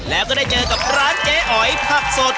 แล้วก็ได้เจอกับร้านเจ๊อ๋อยผักสด